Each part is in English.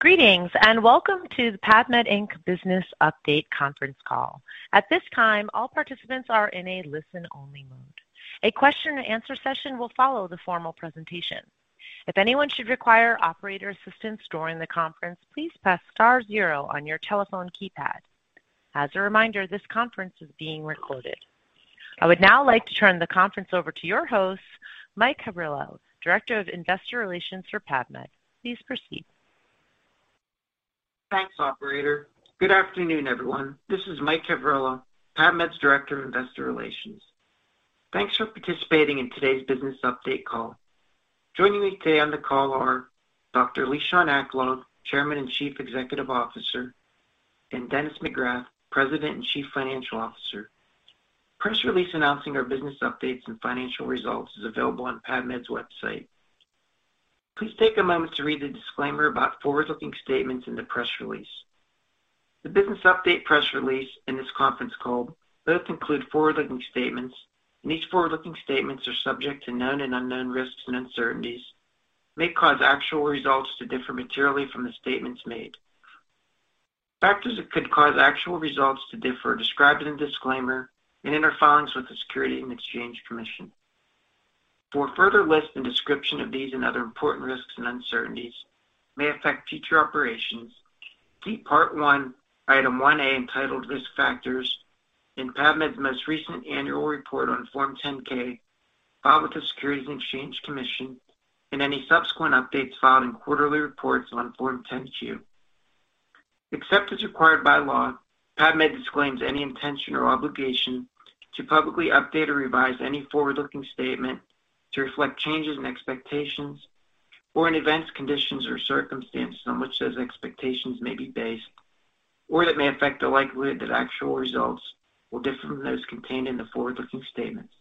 Greetings and welcome to the PAVmed Inc business update conference call. At this time all participants are in a listen-only mode. A question-and-answer session will follow the formal presentation. If anyone should require operator assistance during the conference call please press star zero on your telephone keypad. As a reminder this conference is being recorded. I would now like to turn the conference over to your host, Mike Havrilla, Director of Investor Relations for PAVmed. Please proceed. Thanks, operator. Good afternoon, everyone. This is Mike Havrilla, PAVmed's Director of Investor Relations. Thanks for participating in today's business update call. Joining me today on the call are Dr. Lishan Aklog, Chairman and Chief Executive Officer, and Dennis McGrath, President and Chief Financial Officer. Press release announcing our business updates and financial results is available on PAVmed's website. Please take a moment to read the disclaimer about forward-looking statements in the press release. The business update press release and this conference call both include forward-looking statements. These forward-looking statements are subject to known and unknown risks and uncertainties that may cause actual results to differ materially from the statements made. Factors that could cause actual results to differ are described in the disclaimer and in our filings with the Securities and Exchange Commission. For a further list and description of these and other important risks and uncertainties that may affect future operations, see Part 1, Item 1A entitled Risk Factors in PAVmed's most recent annual report on Form 10-K filed with the Securities and Exchange Commission and any subsequent updates filed in quarterly reports on Form 10-Q. Except as required by law, PAVmed disclaims any intention or obligation to publicly update or revise any forward-looking statement to reflect changes in expectations or in events, conditions, or circumstances on which those expectations may be based or that may affect the likelihood that actual results will differ from those contained in the forward-looking statements.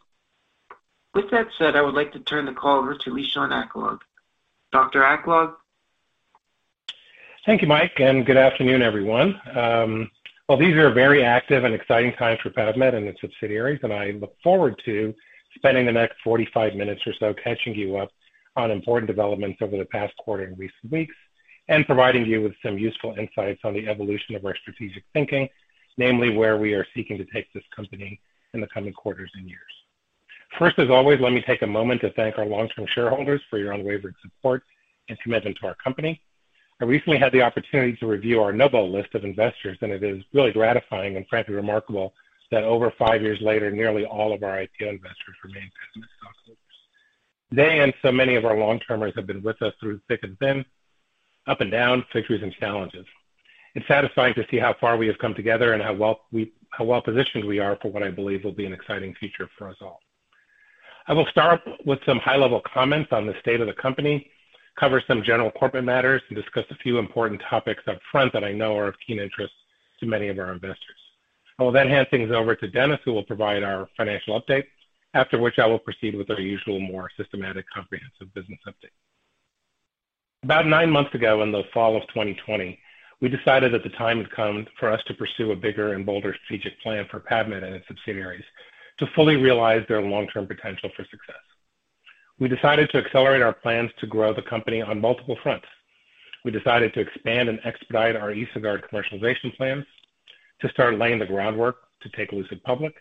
With that said, I would like to turn the call over to Lishan Aklog. Dr. Aklog? Thank you, Mike, and good afternoon, everyone. These are very active and exciting times for PAVmed and its subsidiaries, and I look forward to spending the next 45 minutes or so catching you up on important developments over the past quarter and recent weeks and providing you with some useful insights on the evolution of our strategic thinking, namely, where we are seeking to take this company in the coming quarters and years. First, as always, let me take a moment to thank our long-term shareholders for your unwavering support and commitment to our company. I recently had the opportunity to review our notable list of investors, and it is really gratifying and frankly remarkable that over five years later, nearly all of our IPO investors remain PAVmed stockholders. They and so many of our long-termers have been with us through thick and thin, up and down, victories and challenges. It's satisfying to see how far we have come together and how well-positioned we are for what I believe will be an exciting future for us all. I will start with some high-level comments on the state of the company, cover some general corporate matters, and discuss a few important topics up front that I know are of keen interest to many of our investors. I will then hand things over to Dennis, who will provide our financial update, after which I will proceed with our usual, more systematic, comprehensive business update. About nine months ago, in the fall of 2020, we decided that the time had come for us to pursue a bigger and bolder strategic plan for PAVmed and its subsidiaries to fully realize their long-term potential for success. We decided to accelerate our plans to grow the company on multiple fronts. We decided to expand and expedite our EsoGuard commercialization plans, to start laying the groundwork to take Lucid public,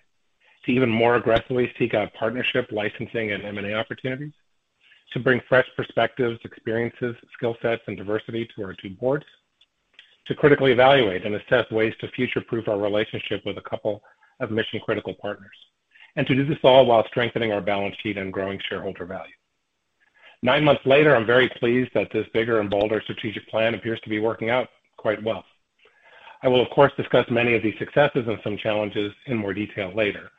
to even more aggressively seek out partnership licensing and M&A opportunities, to bring fresh perspectives, experiences, skill sets, and diversity to our two Boards, to critically evaluate and assess ways to future-proof our relationship with a couple of mission-critical partners, and to do this all while strengthening our balance sheet and growing shareholder value. Nine months later, I'm very pleased that this bigger and bolder strategic plan appears to be working out quite well. I will, of course, discuss many of these successes and some challenges in more detail later.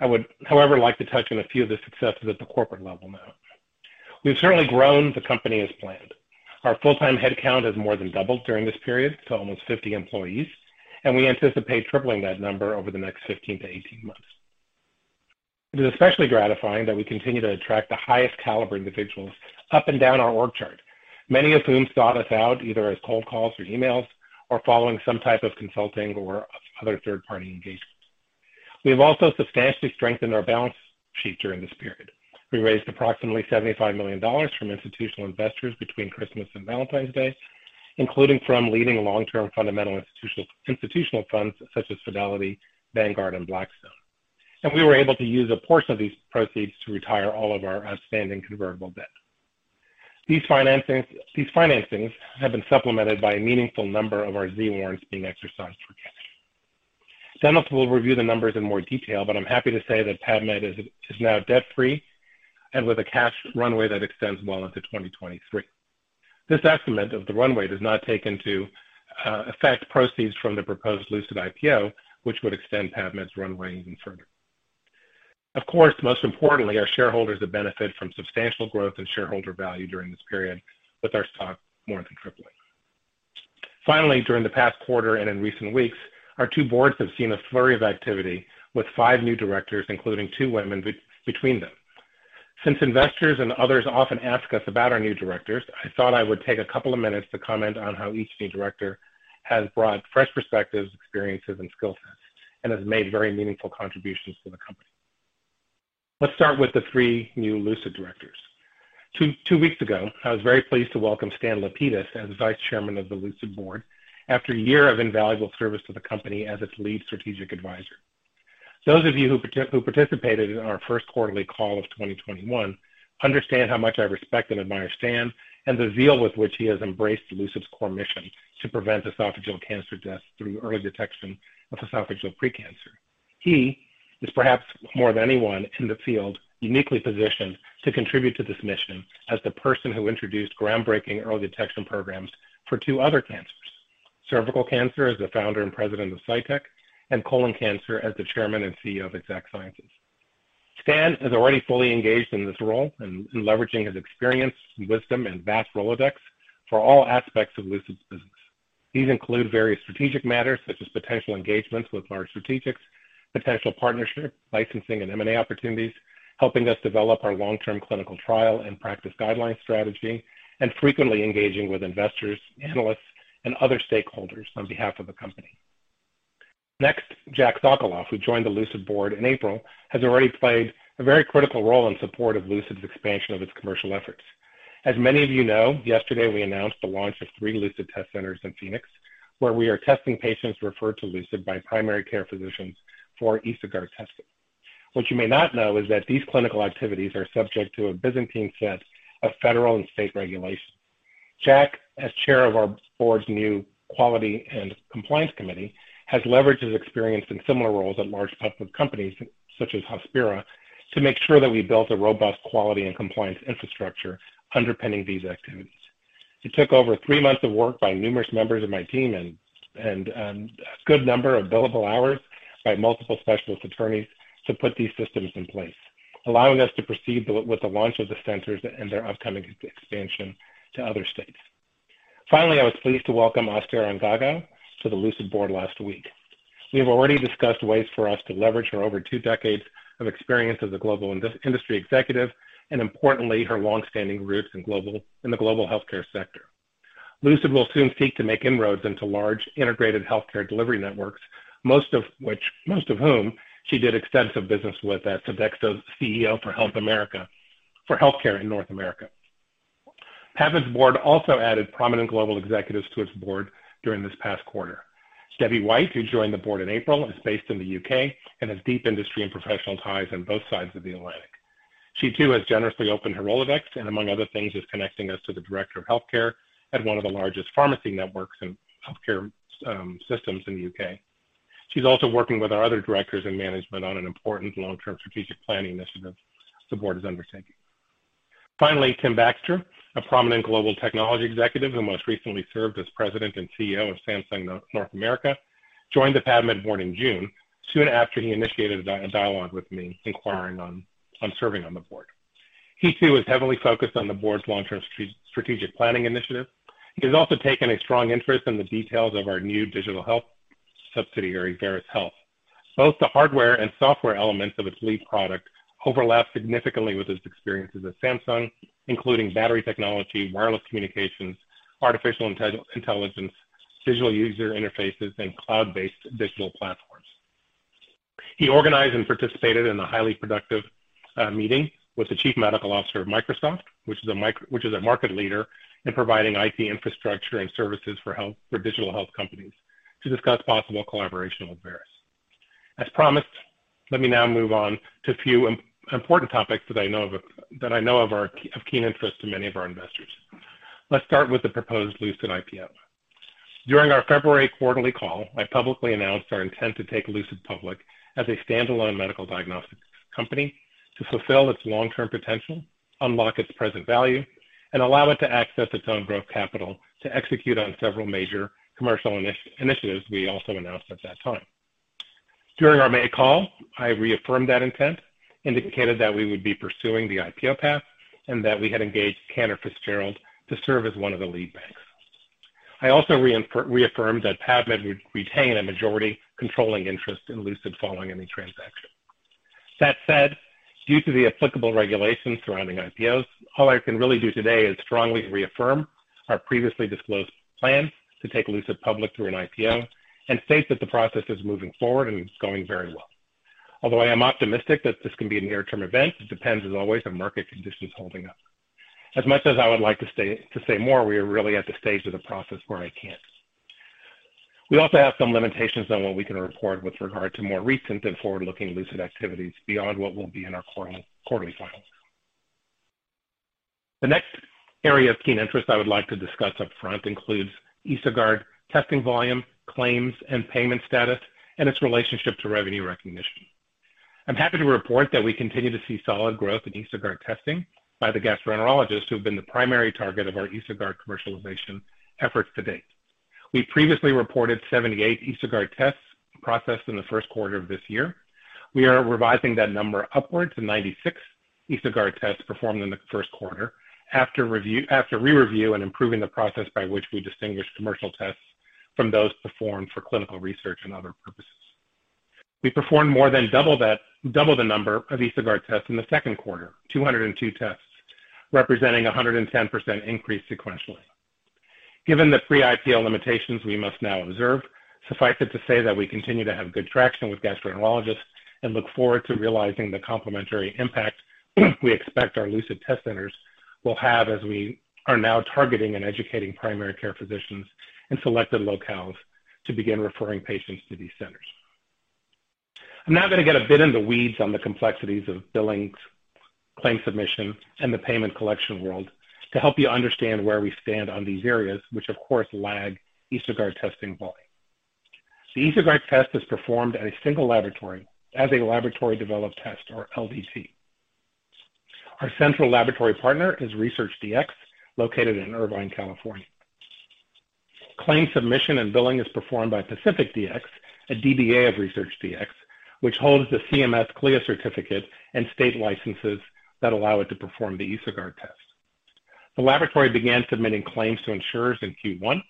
I would, however, like to touch on a few of the successes at the corporate level now. We've certainly grown the company as planned. Our full-time headcount has more than doubled during this period to almost 50 employees, and we anticipate tripling that number over the next 15 to 18 months. It is especially gratifying that we continue to attract the highest caliber individuals up and down our org chart, many of whom sought us out either as cold calls or emails or following some type of consulting or other third-party engagements. We have also substantially strengthened our balance sheet during this period. We raised approximately $75 million from institutional investors between Christmas and Valentine's Day, including from leading long-term fundamental institutional funds such as Fidelity, Vanguard, and Blackstone. We were able to use a portion of these proceeds to retire all of our outstanding convertible debt. These financings have been supplemented by a meaningful number of our Z Warrants being exercised for cash. Dennis will review the numbers in more detail, but I'm happy to say that PAVmed is now debt-free and with a cash runway that extends well into 2023. This estimate of the runway does not take into effect proceeds from the proposed Lucid IPO, which would extend PAVmed's runway even further. Of course, most importantly, our shareholders have benefited from substantial growth in shareholder value during this period, with our stock more than tripling. Finally, during the past quarter and in recent weeks, our two Boards have seen a flurry of activity with five new directors, including two women between them. Since investors and others often ask us about our new directors, I thought I would take a couple of minutes to comment on how each new director has brought fresh perspectives, experiences, and skill sets and has made very meaningful contributions to the company. Let's start with the three new Lucid directors. Two weeks ago, I was very pleased to welcome Stan Lapidus as Vice Chairman of the Lucid Board after a year of invaluable service to the company as its lead strategic advisor. Those of you who participated in our first quarterly call of 2021 understand how much I respect and admire Stan, and the zeal with which he has embraced Lucid's core mission to prevent esophageal cancer deaths through early detection of esophageal pre-cancer. He is, perhaps more than anyone in the field, uniquely positioned to contribute to this mission as the person who introduced groundbreaking early detection programs for two other cancers, cervical cancer as the Founder and President of Cytyc, and colon cancer as the Chairman and CEO of Exact Sciences. Stan is already fully engaged in this role in leveraging his experience, wisdom, and vast Rolodex for all aspects of Lucid's business. These include various strategic matters such as potential engagements with large strategics, potential partnership, licensing, and M&A opportunities, helping us develop our long-term clinical trial and practice guidelines strategy, and frequently engaging with investors, analysts, and other stakeholders on behalf of the company. Next, Jacque Sokolov, who joined the Lucid Board in April, has already played a very critical role in support of Lucid's expansion of its commercial efforts. As many of you know, yesterday we announced the launch of three Lucid test centers in Phoenix, where we are testing patients referred to Lucid by primary care physicians for EsoGuard testing. What you may not know is that these clinical activities are subject to a byzantine set of federal and state regulations. Jacque, as chair of our Board's new quality and compliance committee, has leveraged his experience in similar roles at large public companies such as Hospira to make sure that we built a robust quality and compliance infrastructure underpinning these activities. It took over three months of work by numerous members of my team and a good number of billable hours by multiple specialist attorneys to put these systems in place, allowing us to proceed with the launch of the centers and their upcoming expansion to other states. Finally, I was pleased to welcome Aster Angagaw to the Lucid Board last week. We have already discussed ways for us to leverage her over two decades of experience as a global industry executive and, importantly, her longstanding roots in the global healthcare sector. Lucid will soon seek to make inroads into large integrated healthcare delivery networks, most of whom she did extensive business with at Sodexo, CEO for Health America, for healthcare in North America. PAVmed's Board also added prominent global executives to its Board during this past quarter. Debbie White, who joined the Board in April, is based in the U.K. and has deep industry and professional ties on both sides of the Atlantic. She too has generously opened her Rolodex and, among other things, is connecting us to the director of healthcare at one of the largest pharmacy networks and healthcare systems in the U.K. She's also working with our other directors and management on an important long-term strategic planning initiative the Board is undertaking. Tim Baxter, a prominent global technology executive who most recently served as president and CEO of Samsung North America, joined the PAVmed Board in June, soon after he initiated a dialogue with me inquiring on serving on the Board. He, too, is heavily focused on the Board's long-term strategic planning initiative. He has also taken a strong interest in the details of our new digital health subsidiary, Veris Health. Both the hardware and software elements of its lead product overlap significantly with his experiences at Samsung, including battery technology, wireless communications, artificial intelligence, digital user interfaces, and cloud-based digital platforms. He organized and participated in a highly productive meeting with the chief medical officer of Microsoft, which is a market leader in providing IT infrastructure and services for digital health companies, to discuss possible collaboration with Veris. As promised, let me now move on to a few important topics that I know are of keen interest to many of our investors. Let's start with the proposed Lucid IPO. During our February quarterly call, I publicly announced our intent to take Lucid public as a standalone medical diagnostics company to fulfill its long-term potential, unlock its present value, and allow it to access its own growth capital to execute on several major commercial initiatives we also announced at that time. During our May call, I reaffirmed that intent, indicated that we would be pursuing the IPO path, and that we had engaged Cantor Fitzgerald to serve as one of the lead banks. I also reaffirmed that PAVmed would retain a majority controlling interest in Lucid following any transaction. That said, due to the applicable regulations surrounding IPOs, all I can really do today is strongly reaffirm our previously disclosed plan to take Lucid public through an IPO and state that the process is moving forward and is going very well. Although I am optimistic that this can be a near-term event, it depends, as always, on market conditions holding up. As much as I would like to say more, we are really at the stage of the process where I can't. We also have some limitations on what we can report with regard to more recent and forward-looking Lucid activities beyond what will be in our quarterly filings. The next area of keen interest I would like to discuss up front includes EsoGuard testing volume, claims, and payment status, and its relationship to revenue recognition. I'm happy to report that we continue to see solid growth in EsoGuard testing by the gastroenterologists who have been the primary target of our EsoGuard commercialization efforts to date. We previously reported 78 EsoGuard tests processed in the first quarter of this year. We are revising that number upwards to 96 EsoGuard tests performed in the first quarter after re-review and improving the process by which we distinguish commercial tests from those performed for clinical research and other purposes. We performed more than double the number of EsoGuard tests in the second quarter, 202 tests, representing 110% increase sequentially. Given the pre-IPO limitations we must now observe, suffice it to say that we continue to have good traction with gastroenterologists and look forward to realizing the complementary impact we expect our Lucid test centers will have as we are now targeting and educating primary care physicians in selected locales to begin referring patients to these centers. I'm now going to get a bit in the weeds on the complexities of billings, claim submission, and the payment collection world to help you understand where we stand on these areas, which of course lag EsoGuard testing volume. The EsoGuard test is performed at a single laboratory as a laboratory-developed test, or LDT. Our central laboratory partner is ResearchDx, located in Irvine, California. Claim submission and billing is performed by PacificDx, a DBA of ResearchDx, which holds the CMS CLIA certificate and state licenses that allow it to perform the EsoGuard test. The laboratory began submitting claims to insurers in Q1.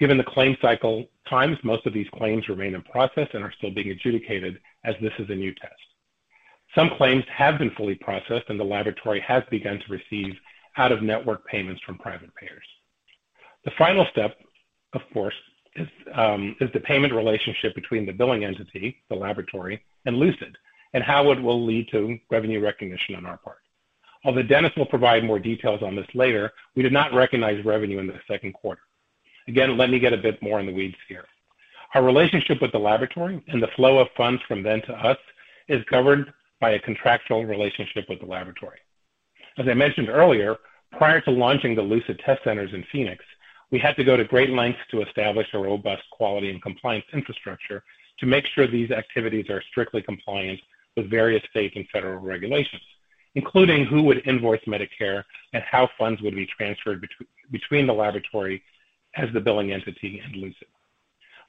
Given the claim cycle times, most of these claims remain in process and are still being adjudicated as this is a new test. Some claims have been fully processed and the laboratory has begun to receive out-of-network payments from private payers. The final step, of course, is the payment relationship between the billing entity, the laboratory, and Lucid, and how it will lead to revenue recognition on our part. Although Dennis will provide more details on this later, we did not recognize revenue in the second quarter. Again, let me get a bit more in the weeds here. Our relationship with the laboratory and the flow of funds from them to us is governed by a contractual relationship with the laboratory. As I mentioned earlier, prior to launching the Lucid test centers in Phoenix, we had to go to great lengths to establish a robust quality and compliance infrastructure to make sure these activities are strictly compliant with various state and federal regulations, including who would invoice Medicare and how funds would be transferred between the laboratory as the billing entity and Lucid.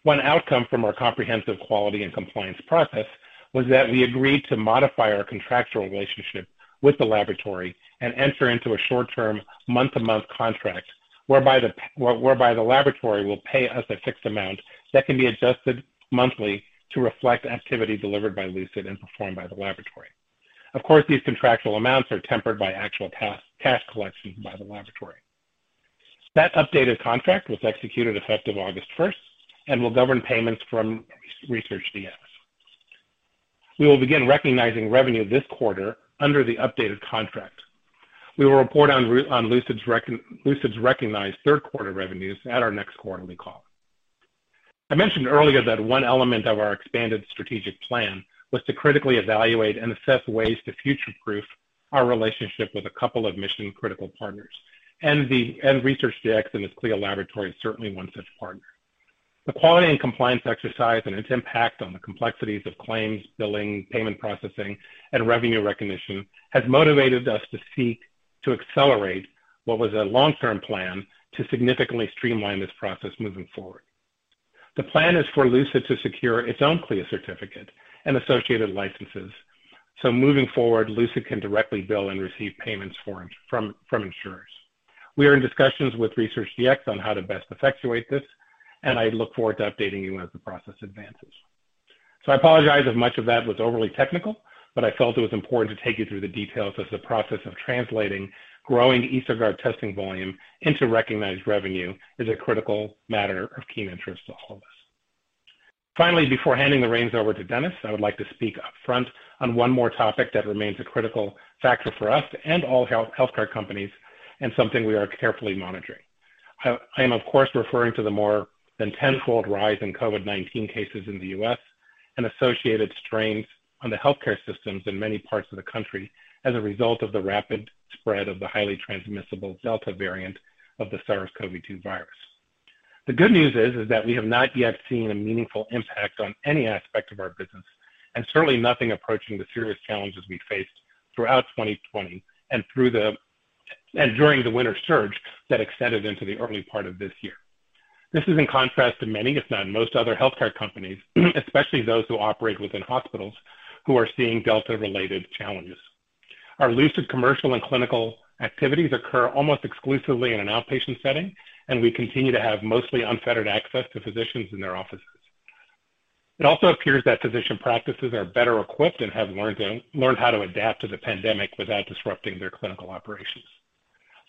One outcome from our comprehensive quality and compliance process was that we agreed to modify our contractual relationship with the laboratory and enter into a short-term, month-to-month contract, whereby the laboratory will pay us a fixed amount that can be adjusted monthly to reflect activity delivered by Lucid and performed by the laboratory. Of course, these contractual amounts are tempered by actual task collection by the laboratory. That updated contract was executed effective August 1st and will govern payments from ResearchDx. We will begin recognizing revenue this quarter under the updated contract. We will report on Lucid's recognized third-quarter revenues at our next quarterly call. I mentioned earlier that one element of our expanded strategic plan was to critically evaluate and assess ways to future-proof our relationship with a couple of mission-critical partners. ResearchDx and its CLIA laboratory is certainly one such partner. The quality and compliance exercise and its impact on the complexities of claims, billing, payment processing, and revenue recognition has motivated us to seek to accelerate what was a long-term plan to significantly streamline this process moving forward. The plan is for Lucid to secure its own CLIA certificate and associated licenses. Moving forward, Lucid can directly bill and receive payments from insurers. We are in discussions with ResearchDx on how to best effectuate this, and I look forward to updating you as the process advances. I apologize if much of that was overly technical, but I felt it was important to take you through the details as the process of translating growing EsoGuard testing volume into recognized revenue is a critical matter of key interest to all of us. Finally, before handing the reins over to Dennis, I would like to speak upfront on one more topic that remains a critical factor for us and all healthcare companies and something we are carefully monitoring. I am, of course, referring to the more than tenfold rise in COVID-19 cases in the U.S. and associated strains on the healthcare systems in many parts of the country as a result of the rapid spread of the highly transmissible Delta variant of the SARS-CoV-2 virus. The good news is that we have not yet seen a meaningful impact on any aspect of our business, and certainly nothing approaching the serious challenges we faced throughout 2020 and during the winter surge that extended into the early part of this year. This is in contrast to many, if not most other healthcare companies, especially those who operate within hospitals, who are seeing Delta-related challenges. Our Lucid commercial and clinical activities occur almost exclusively in an outpatient setting. We continue to have mostly unfettered access to physicians in their offices. It also appears that physician practices are better equipped and have learned how to adapt to the pandemic without disrupting their clinical operations.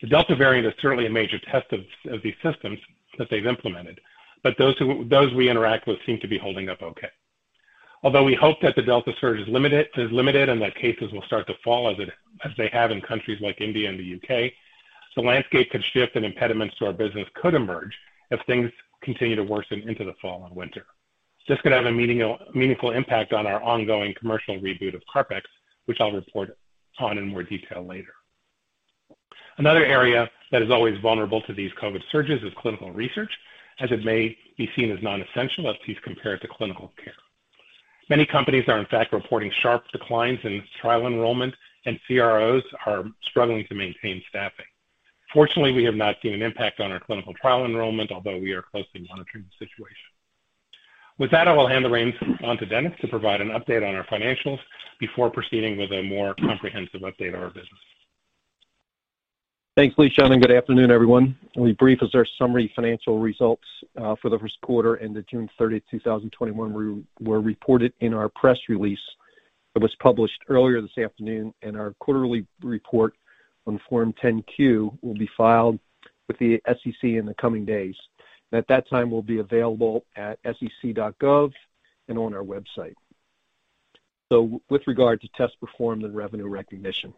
The Delta variant is certainly one major test of these systems that they've implemented, but those we interact with seem to be holding up okay. Although we hope that the Delta surge is limited and that cases will start to fall as they have in countries like India and the U.K., the landscape could shift and impediments to our business could emerge if things continue to worsen into the fall and winter. It's just going to have a meaningful impact on our ongoing commercial reboot of CarpX, which I'll report on in more detail later. Another area that is always vulnerable to these COVID surges is clinical research, as it may be seen as non-essential as these compare to clinical care. Many companies are, in fact, reporting sharp declines in trial enrollment, and CROs are struggling to maintain staffing. Fortunately, we have not seen an impact on our clinical trial enrollment, although we are closely monitoring the situation. With that, I will hand the reins on to Dennis to provide an update on our financials before proceeding with a more comprehensive update on our business. Thanks, Lishan. Good afternoon, everyone. We brief as our summary financial results for the first quarter ended June 30th, 2021, were reported in our press release. It was published earlier this afternoon, and our quarterly report on Form 10-Q will be filed with the SEC in the coming days. At that time, we'll be available at sec.gov and on our website. With regard to tests performed and revenue recognition,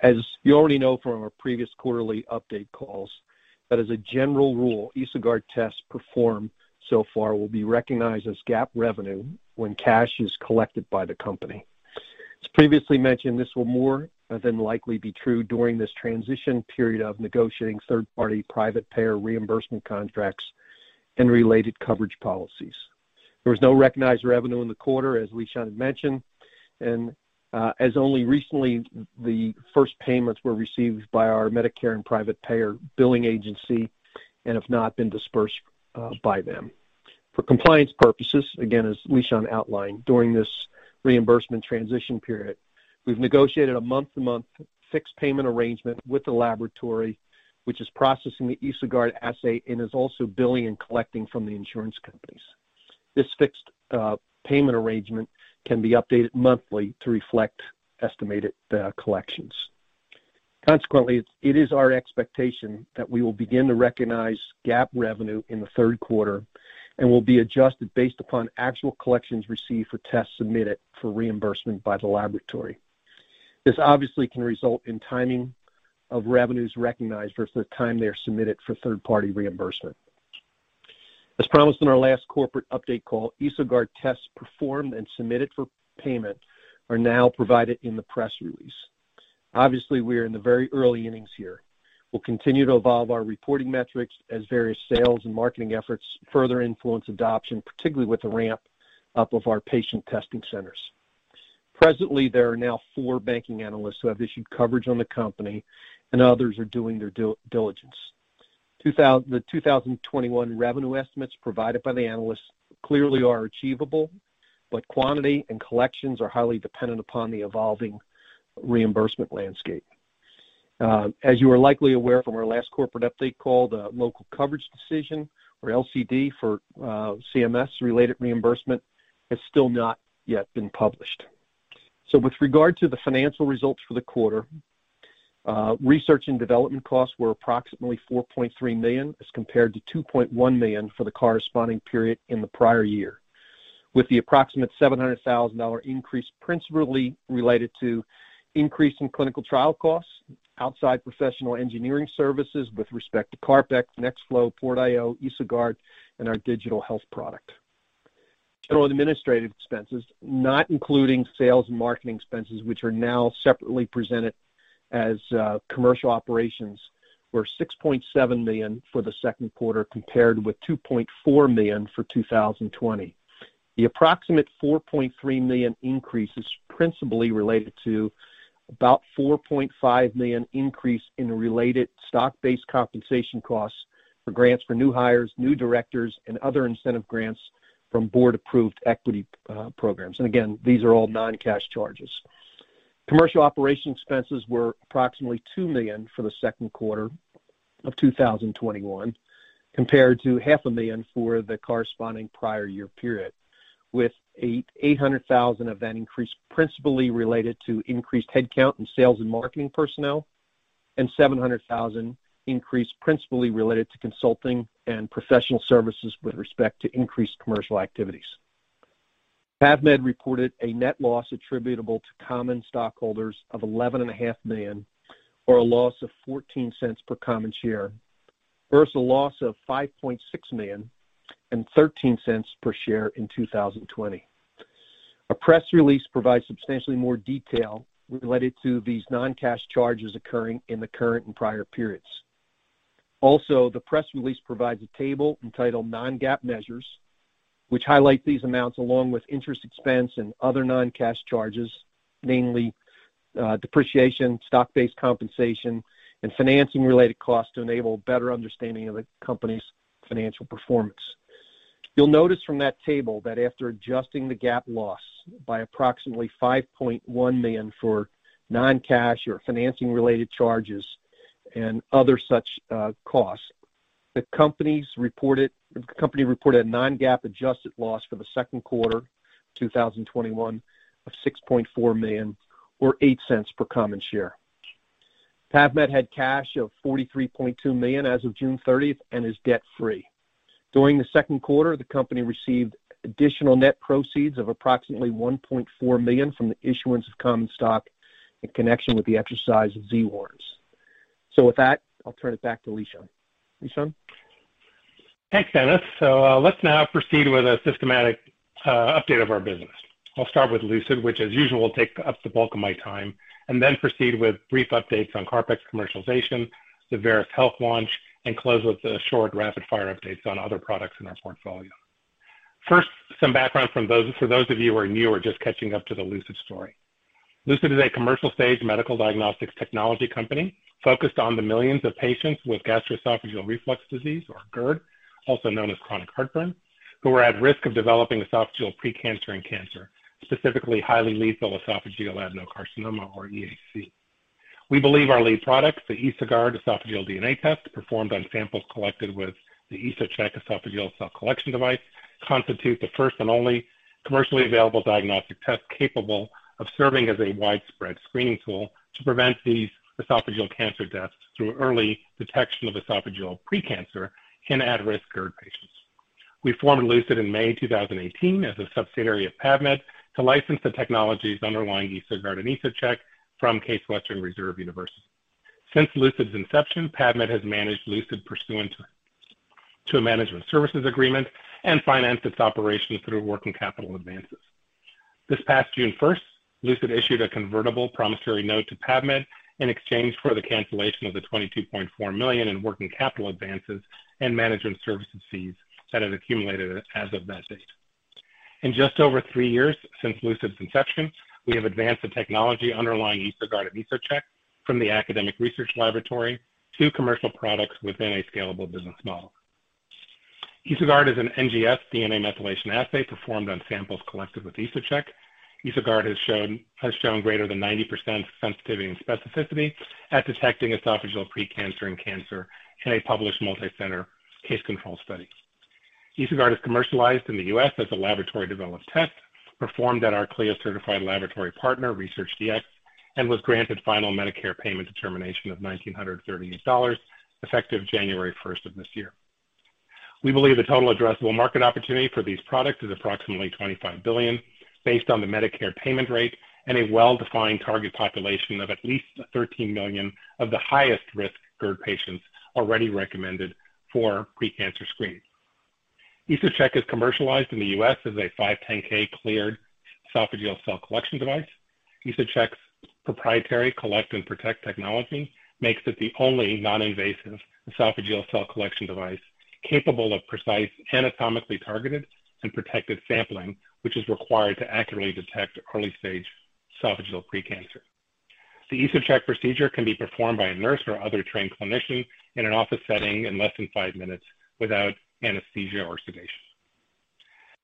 as you already know from our previous quarterly update calls, that as a general rule, EsoGuard tests performed so far will be recognized as GAAP revenue when cash is collected by the company. As previously mentioned, this will more than likely be true during this transition period of negotiating third-party private payer reimbursement contracts and related coverage policies. There was no recognized revenue in the quarter, as Lishan had mentioned, and as only recently, the first payments were received by our Medicare and private payer billing agency and have not been disbursed by them. For compliance purposes, again, as Lishan outlined, during this reimbursement transition period, we've negotiated a month-to-month fixed payment arrangement with the laboratory, which is processing the EsoGuard assay and is also billing and collecting from the insurance companies. This fixed payment arrangement can be updated monthly to reflect estimated collections. Consequently, it is our expectation that we will begin to recognize GAAP revenue in the third quarter and will be adjusted based upon actual collections received for tests submitted for reimbursement by the laboratory. This obviously can result in timing of revenues recognized versus the time they are submitted for third-party reimbursement. As promised in our last corporate update call, EsoGuard tests performed and submitted for payment are now provided in the press release. Obviously, we are in the very early innings here. We'll continue to evolve our reporting metrics as various sales and marketing efforts further influence adoption, particularly with the ramp-up of our patient testing centers. Presently, there are now four banking analysts who have issued coverage on the company and others are doing their due diligence. The 2021 revenue estimates provided by the analysts clearly are achievable, but quantity and collections are highly dependent upon the evolving reimbursement landscape. As you are likely aware from our last corporate update call, the local coverage decision or LCD for CMS-related reimbursement has still not yet been published. With regard to the financial results for the quarter, research and development costs were approximately $4.3 million as compared to $2.1 million for the corresponding period in the prior year, with the approximate $700,000 increase principally related to increase in clinical trial costs, outside professional engineering services with respect to CarpX, NextFlo, PortIO, EsoGuard, and our digital health product. General administrative expenses, not including sales and marketing expenses, which are now separately presented as commercial operations, were $6.7 million for the second quarter, compared with $2.4 million for 2020. The approximate $4.3 million increase is principally related to about $4.5 million increase in related stock-based compensation costs for grants for new hires, new directors, and other incentive grants from Board-approved equity programs. Again, these are all non-cash charges. Commercial operation expenses were approximately $2 million for the second quarter of 2021, compared to $500,000 for the corresponding prior year period, with $800,000 of that increase principally related to increased headcount in sales and marketing personnel, and $700,000 increase principally related to consulting and professional services with respect to increased commercial activities. PAVmed reported a net loss attributable to common stockholders of $11.5 million, or a loss of $0.14 per common share, versus a loss of $5.6 million and $0.13 per share in 2020. A press release provides substantially more detail related to these non-cash charges occurring in the current and prior periods. The press release provides a table entitled Non-GAAP Measures, which highlight these amounts along with interest expense and other non-cash charges, namely depreciation, stock-based compensation, and financing-related costs to enable better understanding of the company's financial performance. You'll notice from that table that after adjusting the GAAP loss by approximately $5.1 million for non-cash or financing-related charges and other such costs, the company reported a non-GAAP adjusted loss for the second quarter 2021 of $6.4 million or $0.08 per common share. PAVmed had cash of $43.2 million as of June 30th and is debt-free. During the second quarter, the company received additional net proceeds of approximately $1.4 million from the issuance of common stock in connection with the exercise of Z Warrants. With that, I'll turn it back to Lishan. Lishan? Thanks, Dennis. Let's now proceed with a systematic update of our business. I'll start with Lucid, which as usual, will take up the bulk of my time, and then proceed with brief updates on CarpX commercialization, the Veris Health launch, and close with the short rapid-fire updates on other products in our portfolio. First, some background for those of you who are new or just catching up to the Lucid story. Lucid is a commercial-stage medical diagnostics technology company focused on the millions of patients with gastroesophageal reflux disease or GERD, also known as chronic heartburn, who are at risk of developing esophageal pre-cancer and cancer, specifically highly lethal esophageal adenocarcinoma or EAC. We believe our lead products, the EsoGuard esophageal DNA test, performed on samples collected with the EsoCheck esophageal cell collection device, constitute the first and only commercially available diagnostic test capable of serving as a widespread screening tool to prevent these esophageal cancer deaths through early detection of esophageal pre-cancer in at-risk GERD patients. We formed Lucid in May 2018 as a subsidiary of PAVmed to license the technologies underlying EsoGuard and EsoCheck from Case Western Reserve University. Since Lucid's inception, PAVmed has managed Lucid pursuant to a management services agreement and financed its operations through working capital advances. This past June 1st, Lucid issued a convertible promissory note to PAVmed in exchange for the cancellation of the $22.4 million in working capital advances and management services fees that had accumulated as of that date. In just over three years since Lucid's inception, we have advanced the technology underlying EsoGuard and EsoCheck from the academic research laboratory to commercial products within a scalable business model. EsoGuard is an NGS DNA methylation assay performed on samples collected with EsoCheck. EsoGuard has shown greater than 90% sensitivity and specificity at detecting esophageal pre-cancer and cancer in a published multi-center case-control study. EsoGuard is commercialized in the U.S. as a laboratory-developed test performed at our CLIA-certified laboratory partner, ResearchDx, and was granted final Medicare payment determination of $1,938, effective January 1st of this year. We believe the total addressable market opportunity for these products is approximately $25 billion, based on the Medicare payment rate and a well-defined target population of at least 13 million of the highest-risk GERD patients already recommended for precancer screening. EsoCheck is commercialized in the U.S. as a 510(k) cleared esophageal cell collection device. EsoCheck's proprietary collect and protect technology makes it the only non-invasive esophageal cell collection device capable of precise, anatomically targeted, and protected sampling, which is required to accurately detect early-stage esophageal precancer. The EsoCheck procedure can be performed by a nurse or other trained clinician in an office setting in less than five minutes without anesthesia or sedation.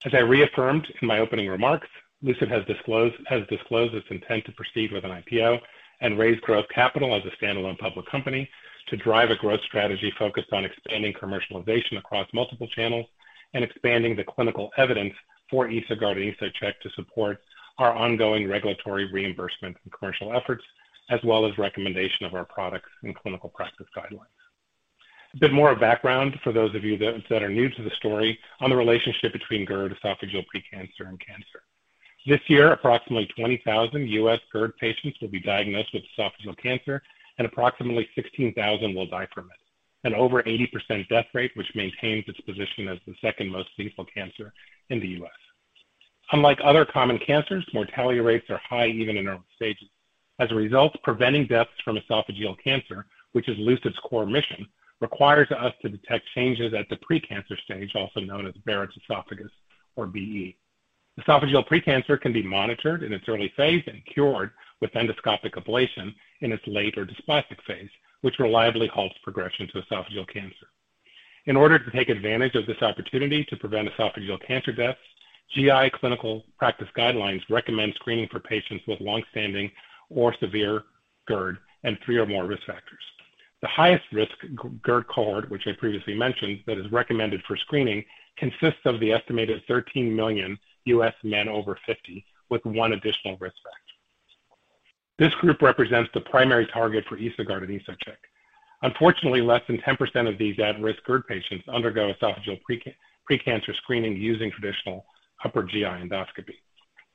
As I reaffirmed in my opening remarks, Lucid has disclosed its intent to proceed with an IPO and raise growth capital as a standalone public company to drive a growth strategy focused on expanding commercialization across multiple channels and expanding the clinical evidence for EsoGuard and EsoCheck to support our ongoing regulatory reimbursement and commercial efforts, as well as recommendation of our products in clinical practice guidelines. A bit more background for those of you that are new to the story on the relationship between GERD, esophageal pre-cancer, and cancer. This year, approximately 20,000 U.S. GERD patients will be diagnosed with esophageal cancer and approximately 16,000 will die from it. An over 80% death rate, which maintains its position as the second most lethal cancer in the U.S. Unlike other common cancers, mortality rates are high even in early stages. As a result, preventing deaths from esophageal cancer, which is Lucid's core mission, requires us to detect changes at the precancer stage, also known as Barrett's esophagus, or BE. Esophageal precancer can be monitored in its early phase and cured with endoscopic ablation in its late or dysplastic phase, which reliably halts progression to esophageal cancer. In order to take advantage of this opportunity to prevent esophageal cancer deaths, GI clinical practice guidelines recommend screening for patients with long-standing or severe GERD and three or more risk factors. The highest risk GERD cohort, which I previously mentioned, that is recommended for screening, consists of the estimated 13 million U.S. men over 50 with one additional risk factor. This group represents the primary target for EsoGuard and EsoCheck. Unfortunately, less than 10% of these at-risk GERD patients undergo esophageal precancer screening using traditional upper GI endoscopy.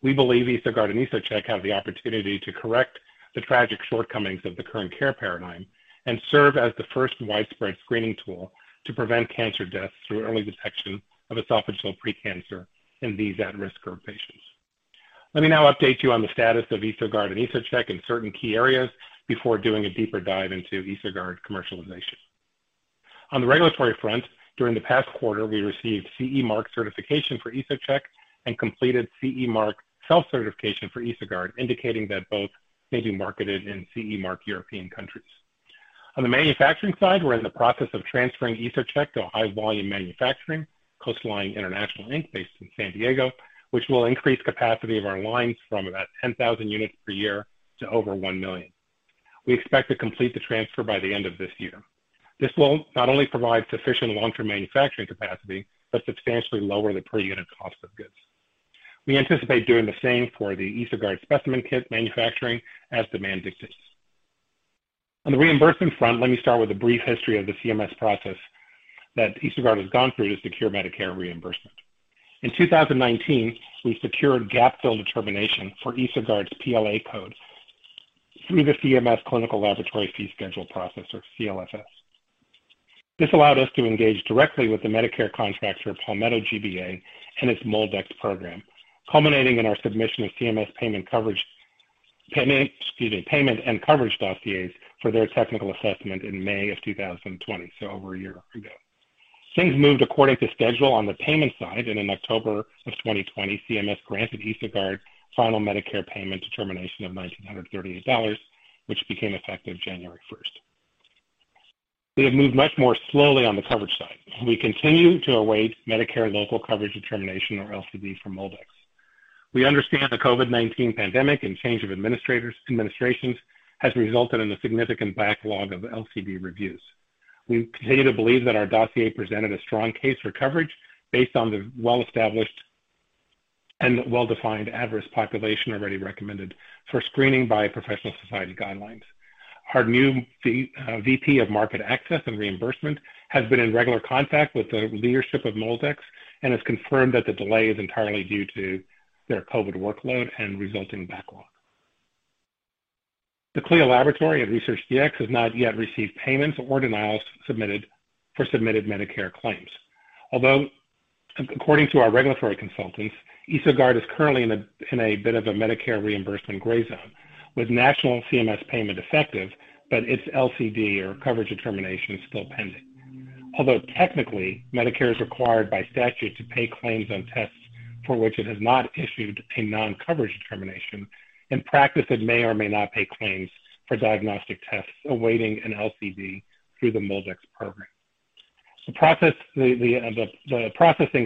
We believe EsoGuard and EsoCheck have the opportunity to correct the tragic shortcomings of the current care paradigm and serve as the first widespread screening tool to prevent cancer deaths through early detection of esophageal precancer in these at-risk GERD patients. Let me now update you on the status of EsoGuard and EsoCheck in certain key areas before doing a deeper dive into EsoGuard commercialization. On the regulatory front, during the past quarter, we received CE mark certification for EsoCheck and completed CE mark self-certification for EsoGuard, indicating that both may be marketed in CE-marked European countries. On the manufacturing side, we're in the process of transferring EsoCheck to a high-volume manufacturing, Coastline International Inc, based in San Diego, which will increase capacity of our lines from about 10,000 units per year to over 1 million. We expect to complete the transfer by the end of this year. This will not only provide sufficient long-term manufacturing capacity, but substantially lower the per-unit cost of goods. We anticipate doing the same for the EsoGuard specimen kit manufacturing as demand dictates. On the reimbursement front, let me start with a brief history of the CMS process that EsoGuard has gone through to secure Medicare reimbursement. In 2019, we secured gap-fill determination for EsoGuard's PLA code through the CMS Clinical Laboratory Fee Schedule process, or CLFS. This allowed us to engage directly with the Medicare contractor, Palmetto GBA, and its MolDX program, culminating in our submission of CMS payment and coverage dossiers for their technical assessment in May of 2020, so over a year ago. Things moved according to schedule on the payment side, and in October of 2020, CMS granted EsoGuard final Medicare payment determination of $1,938, which became effective January 1st. We have moved much more slowly on the coverage side. We continue to await Medicare Local Coverage Determination, or LCD, for MolDX. We understand the COVID-19 pandemic and change of administrations has resulted in a significant backlog of LCD reviews. We continue to believe that our dossier presented a strong case for coverage based on the well-established and well-defined adverse population already recommended for screening by professional society guidelines. Our new VP of market access and reimbursement has been in regular contact with the leadership of MolDX and has confirmed that the delay is entirely due to their COVID workload and resulting backlog. The CLIA laboratory of ResearchDx has not yet received payments or denials for submitted Medicare claims. According to our regulatory consultants, EsoGuard is currently in a bit of a Medicare reimbursement gray zone, with national CMS payment effective but its LCD or coverage determination is still pending. Technically, Medicare is required by statute to pay claims on tests for which it has not issued a non-coverage determination. In practice, it may or may not pay claims for diagnostic tests awaiting an LCD through the MolDX program. The processing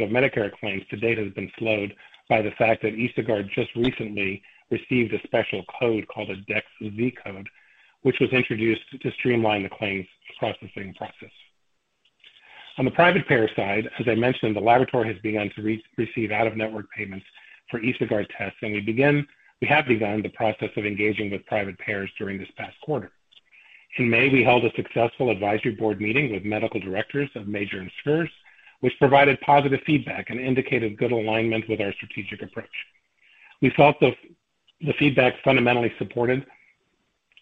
of Medicare claims to date has been slowed by the fact that EsoGuard just recently received a special code called a DEX Z-Code, which was introduced to streamline the claims processing process. On the private payer side, as I mentioned, the laboratory has begun to receive out-of-network payments for EsoGuard tests, and we have begun the process of engaging with private payers during this past quarter. In May, we held a successful advisory board meeting with medical directors of major insurers, which provided positive feedback and indicated good alignment with our strategic approach. We felt the feedback fundamentally supported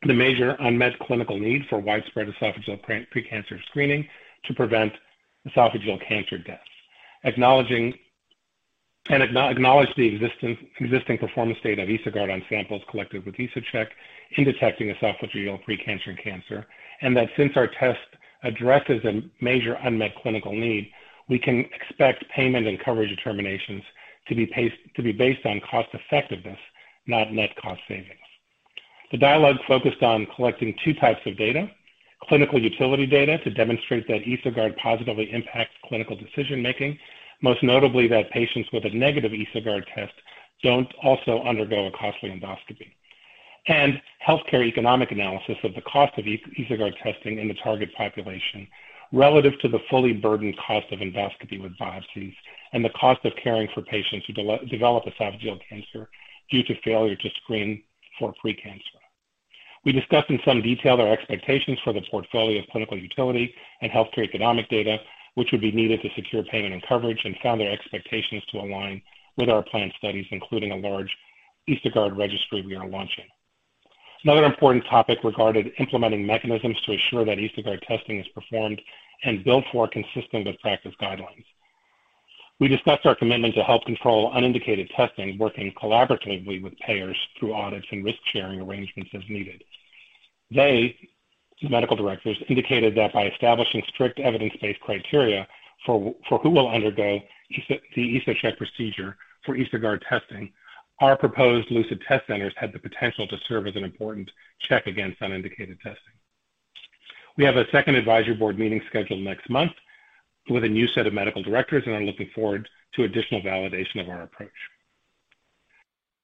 the major unmet clinical need for widespread esophageal precancer screening to prevent esophageal cancer deaths, acknowledged the existing performance data of EsoGuard on samples collected with EsoCheck in detecting esophageal precancer and cancer. Since our test addresses a major unmet clinical need, we can expect payment and coverage determinations to be based on cost-effectiveness, not net cost savings. The dialogue focused on collecting two types of data: clinical utility data to demonstrate that EsoGuard positively impacts clinical decision-making, most notably that patients with a negative EsoGuard test don't also undergo a costly endoscopy, and healthcare economic analysis of the cost of EsoGuard testing in the target population relative to the fully burdened cost of endoscopy with biopsies and the cost of caring for patients who develop esophageal cancer due to failure to screen for precancer. We discussed in some detail their expectations for the portfolio of clinical utility and healthcare economic data, which would be needed to secure payment and coverage, and found their expectations to align with our planned studies, including a large EsoGuard registry we are launching. Another important topic regarded implementing mechanisms to ensure that EsoGuard testing is performed and billed for consistent with practice guidelines. We discussed our commitment to help control unindicated testing, working collaboratively with payers through audits and risk-sharing arrangements as needed. They, the medical directors, indicated that by establishing strict evidence-based criteria for who will undergo the EsoCheck procedure for EsoGuard testing, our proposed Lucid test centers have the potential to serve as an important check against unindicated testing. We have a second advisory board meeting scheduled next month with a new set of medical directors, and I'm looking forward to additional validation of our approach.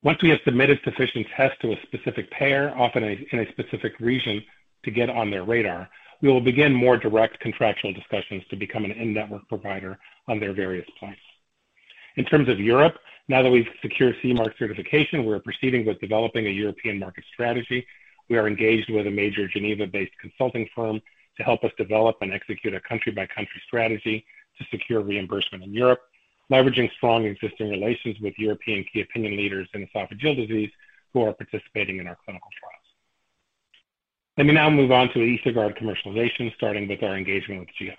Once we have submitted sufficient tests to a specific payer, often in a specific region to get on their radar, we will begin more direct contractual discussions to become an in-network provider on their various plans. In terms of Europe, now that we've secured CE mark certification, we're proceeding with developing a European market strategy. We are engaged with a major Geneva-based consulting firm to help us develop and execute a country-by-country strategy to secure reimbursement in Europe, leveraging strong existing relations with European key opinion leaders in esophageal disease who are participating in our clinical trials. Let me now move on to EsoGuard commercialization, starting with our engagement with GIs.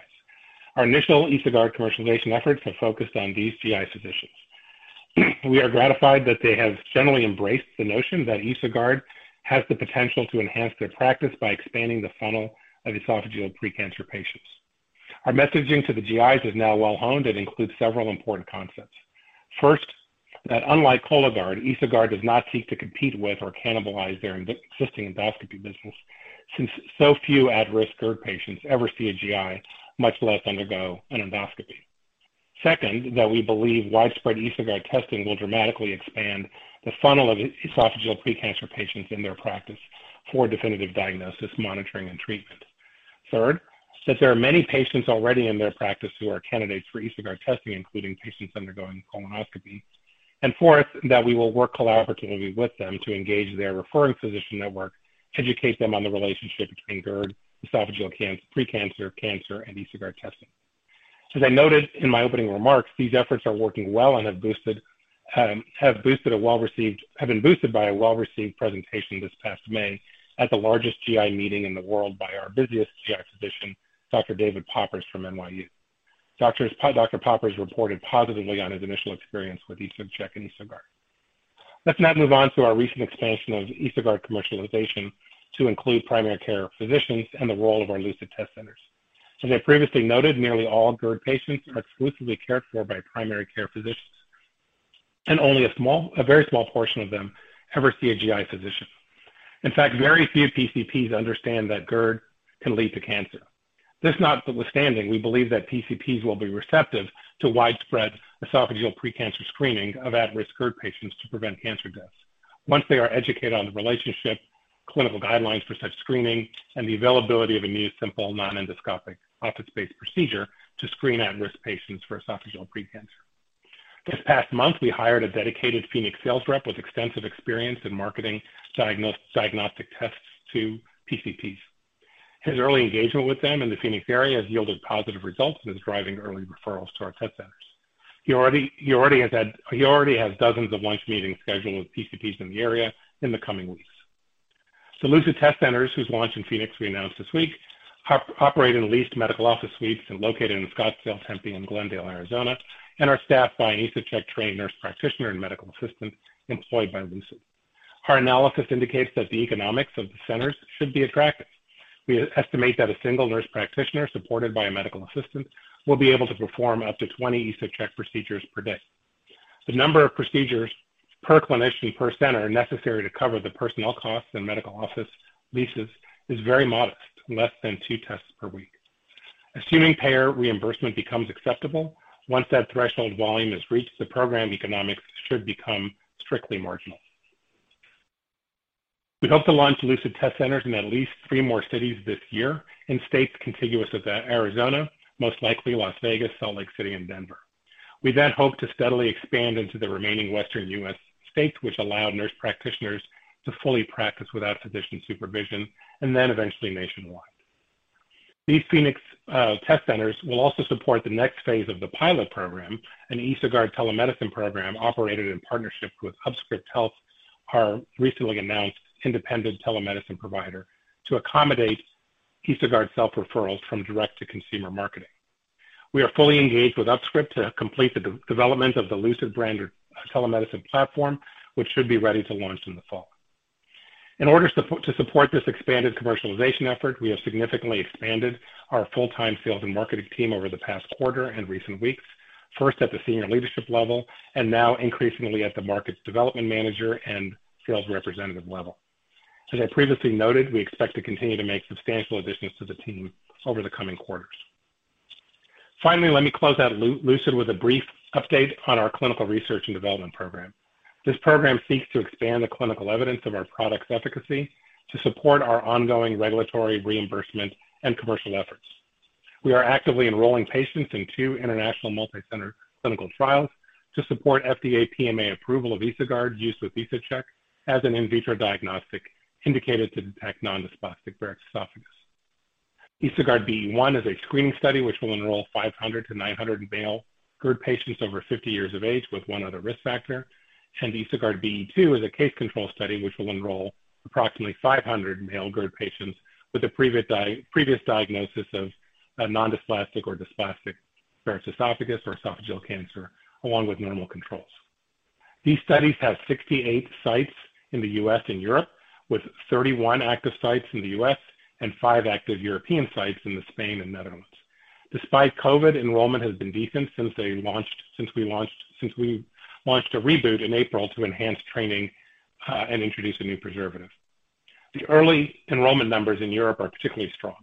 Our initial EsoGuard commercialization efforts have focused on these GI physicians. We are gratified that they have generally embraced the notion that EsoGuard has the potential to enhance their practice by expanding the funnel of esophageal precancer patients. Our messaging to the GIs is now well-honed and includes several important concepts. First, that unlike Cologuard, EsoGuard does not seek to compete with or cannibalize their existing endoscopy business, since so few at-risk GERD patients ever see a GI, much less undergo an endoscopy. Second, that we believe widespread EsoGuard testing will dramatically expand the funnel of esophageal precancer patients in their practice for definitive diagnosis, monitoring, and treatment. Third, that there are many patients already in their practice who are candidates for EsoGuard testing, including patients undergoing colonoscopy. Fourth, that we will work collaboratively with them to engage their referring physician network, educate them on the relationship between GERD, esophageal precancer, cancer, and EsoGuard testing. As I noted in my opening remarks, these efforts are working well and have been boosted by a well-received presentation this past May at the largest GI meeting in the world by our busiest GI physician, Dr. David Poppers from NYU. Dr. Poppers reported positively on his initial experience with EsoCheck and EsoGuard. Let's now move on to our recent expansion of EsoGuard commercialization to include primary care physicians and the role of our Lucid test centers. As I previously noted, nearly all GERD patients are exclusively cared for by primary care physicians. Only a very small portion of them ever see a GI physician. In fact, very few PCPs understand that GERD can lead to cancer. This notwithstanding, we believe that PCPs will be receptive to widespread esophageal precancer screening of at-risk GERD patients to prevent cancer deaths once they are educated on the relationship, clinical guidelines for such screening, and the availability of a new, simple, non-endoscopic office-based procedure to screen at-risk patients for esophageal precancer. This past month, we hired a dedicated Phoenix sales rep with extensive experience in marketing diagnostic tests to PCPs. His early engagement with them in the Phoenix area has yielded positive results and is driving early referrals to our test centers. He already has dozens of lunch meetings scheduled with PCPs in the area in the coming weeks. Lucid Test Centers, whose launch in Phoenix we announced this week, operate in leased medical office suites and located in Scottsdale, Tempe, and Glendale, Arizona, and are staffed by EsoCheck trained nurse practitioner and medical assistant employed by Lucid. Our analysis indicates that the economics of the centers should be attractive. We estimate that a single nurse practitioner supported by a medical assistant will be able to perform up to 20 EsoCheck procedures per day. The number of procedures per clinician per center necessary to cover the personnel costs and medical office leases is very modest, less than two tests per week. Assuming payer reimbursement becomes acceptable, once that threshold volume is reached, the program economics should become strictly marginal. We hope to launch Lucid Test Centers in at least three more cities this year in states contiguous of Arizona, most likely Las Vegas, Salt Lake City, and Denver. We hope to steadily expand into the remaining Western U.S. states, which allow nurse practitioners to fully practice without physician supervision, and eventually nationwide. These Phoenix test centers will also support the next phase of the pilot program, an EsoGuard telemedicine program operated in partnership with UpScriptHealth, our recently announced independent telemedicine provider, to accommodate EsoGuard self-referrals from direct-to-consumer marketing. We are fully engaged with UpScript to complete the development of the Lucid branded telemedicine platform, which should be ready to launch in the fall. To support this expanded commercialization effort, we have significantly expanded our full-time sales and marketing team over the past quarter and recent weeks. First at the senior leadership level, now increasingly at the markets development manager and sales representative level. As I previously noted, we expect to continue to make substantial additions to the team over the coming quarters. Finally, let me close out Lucid with a brief update on our clinical research and development program. This program seeks to expand the clinical evidence of our product's efficacy to support our ongoing regulatory reimbursement and commercial efforts. We are actively enrolling patients in two international multi-center clinical trials to support FDA PMA approval of EsoGuard's use with EsoCheck as an in vitro diagnostic indicated to detect non-dysplastic Barrett's esophagus. EsoGuard BE-1 is a screening study which will enroll 500-900 male GERD patients over 50 years of age with one other risk factor. EsoGuard BE-2 is a case control study, which will enroll approximately 500 male GERD patients with a previous diagnosis of a non-dysplastic or dysplastic Barrett's esophagus or esophageal cancer, along with normal controls. These studies have 68 sites in the U.S. and Europe, with 31 active sites in the U.S. and five active European sites in Spain and Netherlands. Despite COVID, enrollment has been decent since we launched a reboot in April to enhance training and introduce a new preservative. The early enrollment numbers in Europe are particularly strong.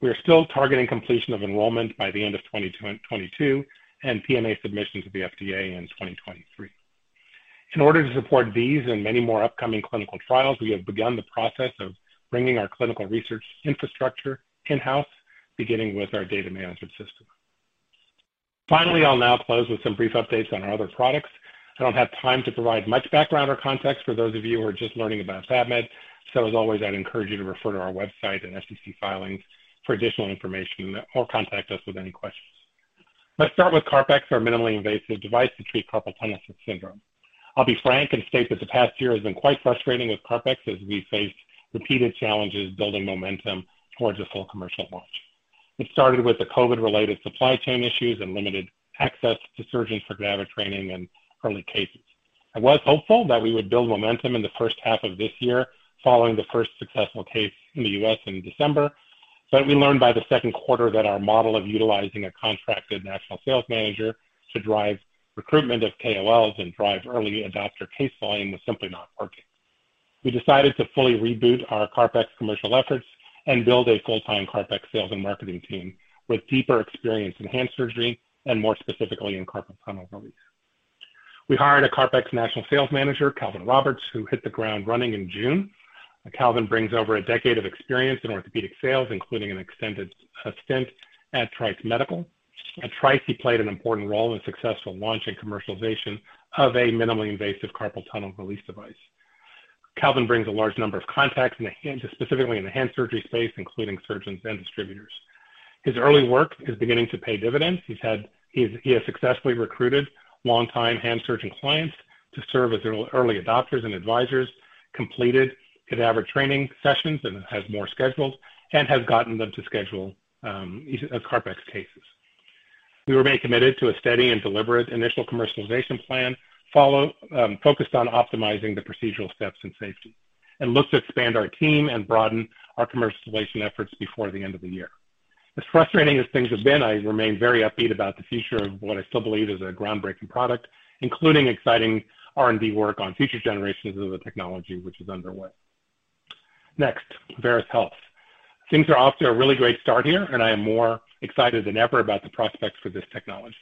We are still targeting completion of enrollment by the end of 2022 and PMA submission to the FDA in 2023. In order to support these and many more upcoming clinical trials, we have begun the process of bringing our clinical research infrastructure in-house, beginning with our data management system. Finally, I'll now close with some brief updates on our other products. I don't have time to provide much background or context for those of you who are just learning about PAVmed, as always, I'd encourage you to refer to our website and SEC filings for additional information or contact us with any questions. Let's start with CarpX, our minimally invasive device to treat carpal tunnel syndrome. I'll be frank and state that the past year has been quite frustrating with CarpX as we faced repeated challenges building momentum towards a full commercial launch. It started with the COVID-related supply chain issues and limited access to surgeons for cadaver training and early cases. I was hopeful that we would build momentum in the first half of this year following the first successful case in the U.S. in December. We learned by the second quarter that our model of utilizing a contracted national sales manager to drive recruitment of KOLs and drive early adopter case volume was simply not working. We decided to fully reboot our CarpX commercial efforts and build a full-time CarpX sales and marketing team with deeper experience in hand surgery and more specifically in carpal tunnel release. We hired a CarpX national sales manager, Calvin Roberts, who hit the ground running in June. Calvin brings over a decade of experience in orthopedic sales, including an extended stint at Trice Medical. At Trice, he played an important role in the successful launch and commercialization of a minimally invasive carpal tunnel release device. Calvin brings a large number of contacts, specifically in the hand surgery space, including surgeons and distributors. His early work is beginning to pay dividends. He has successfully recruited longtime hand surgeon clients to serve as early adopters and advisors, completed cadaver training sessions and has more scheduled, and has gotten them to schedule CarpX cases. We remain committed to a steady and deliberate initial commercialization plan focused on optimizing the procedural steps and safety, and look to expand our team and broaden our commercialization efforts before the end of the year. As frustrating as things have been, I remain very upbeat about the future of what I still believe is a groundbreaking product, including exciting R&D work on future generations of the technology which is underway. Next, Veris Health. Things are off to a really great start here, and I am more excited than ever about the prospects for this technology.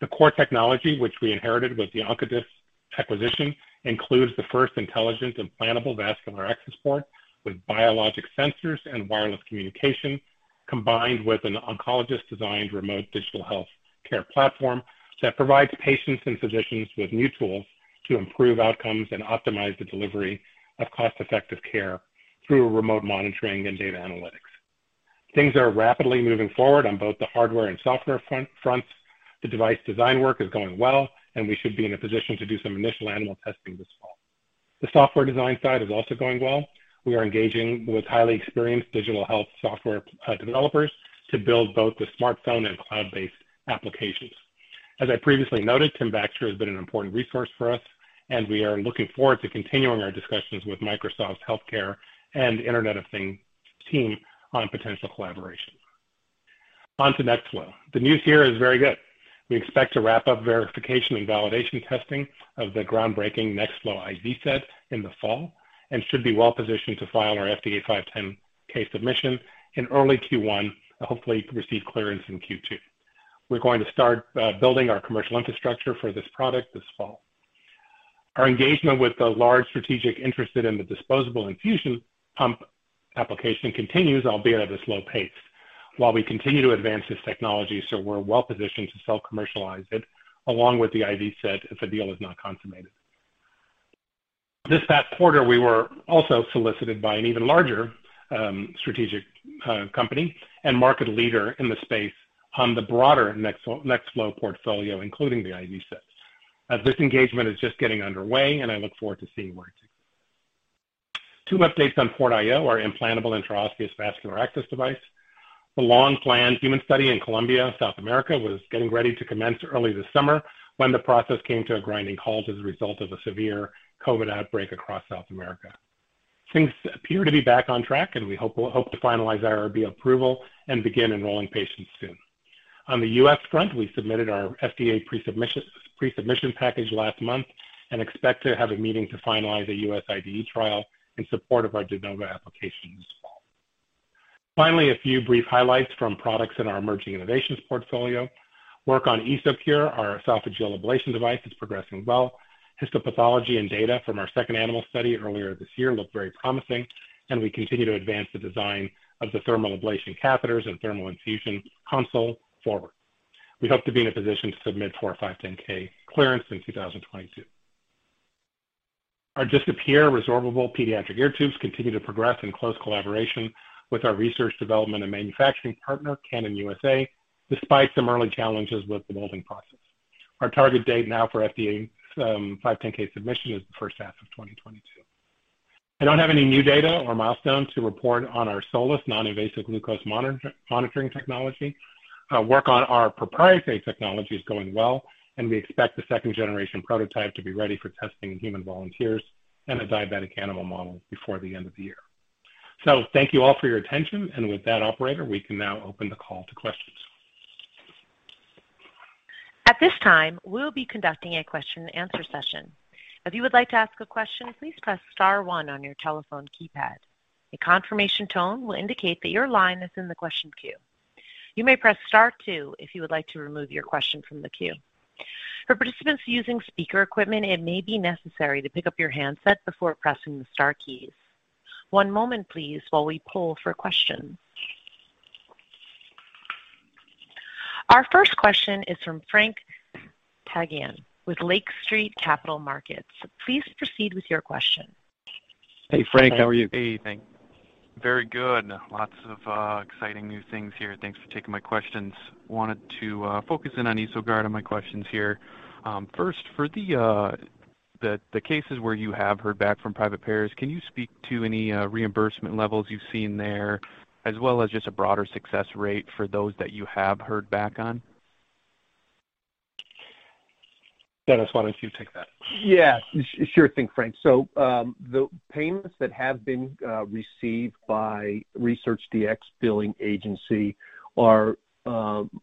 The core technology, which we inherited with the Oncodisc acquisition, includes the first intelligent implantable vascular access port with biologic sensors and wireless communication, combined with an oncologist-designed remote digital healthcare platform that provides patients and physicians with new tools to improve outcomes and optimize the delivery of cost-effective care through remote monitoring and data analytics. Things are rapidly moving forward on both the hardware and software fronts. The device design work is going well, and we should be in a position to do some initial animal testing this fall. The software design side is also going well. We are engaging with highly experienced digital health software developers to build both the smartphone and cloud-based applications. As I previously noted, Tim Baxter has been an important resource for us, and we are looking forward to continuing our discussions with Microsoft's healthcare and Internet of Things team on potential collaboration. On to NextFlo. The news here is very good. We expect to wrap up verification and validation testing of the groundbreaking NextFlo IV set in the fall and should be well positioned to file our FDA 510(k) submission in early Q1, hopefully receive clearance in Q2. We're going to start building our commercial infrastructure for this product this fall. Our engagement with the large strategic interested in the disposable infusion pump application continues, albeit at a slow pace while we continue to advance this technology so we're well positioned to self-commercialize it along with the IV set if a deal is not consummated. This past quarter, we were also solicited by an even larger strategic company and market leader in the space on the broader NextFlo portfolio, including the IV sets. This engagement is just getting underway and I look forward to seeing where it takes us. Two updates on PortIO, our implantable intraosseous vascular access device. The long-planned human study in Colombia, South America, was getting ready to commence early this summer when the process came to a grinding halt as a result of a severe COVID outbreak across South America. Things appear to be back on track, and we hope to finalize IRB approval and begin enrolling patients soon. On the U.S. front, we submitted our FDA pre-submission package last month and expect to have a meeting to finalize a U.S. IDE trial in support of our De Novo application this fall. Finally, a few brief highlights from products in our emerging innovations portfolio. Work on EsoCure, our esophageal ablation device, is progressing well. Histopathology and data from our second animal study earlier this year looked very promising, and we continue to advance the design of the thermal ablation catheters and thermal infusion console forward. We hope to be in a position to submit for a 510(k) clearance in 2022. Our DisappEAR resorbable pediatric ear tubes continue to progress in close collaboration with our research development and manufacturing partner, Canon U.S.A., despite some early challenges with the molding process. Our target date now for FDA 510(k) submission is the first half of 2022. I don't have any new data or milestones to report on our Solys non-invasive glucose monitoring technology. Work on our proprietary technology is going well, and we expect the second-generation prototype to be ready for testing in human volunteers and a diabetic animal model before the end of the year. Thank you all for your attention, and with that operator, we can now open the call to questions. At this time, we'll be conducting a question-and-answer session. If you would like to ask a question, please press star one on your telephone keypad. A confirmation tone will indicate that your line is in the question queue. You may press star two if you would like to remove your question from the queue. For participants using speaker equipment, it may be necessary to pick up your handset before pressing the star key. One moment please while we pull for questions. Our first question is from Frank Takkinen with Lake Street Capital Markets. Please proceed with your question. Hey, Frank. How are you? Hey, thanks. Very good. Lots of exciting new things here. Thanks for taking my questions. Wanted to focus in on EsoGuard on my questions here. First, for the cases where you have heard back from private payers, can you speak to any reimbursement levels you've seen there as well as just a broader success rate for those that you have heard back on? Dennis, why don't you take that? Yeah. Sure thing, Frank. The payments that have been received by ResearchDx billing agency are